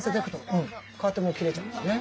こうやってもう切れちゃうんですね。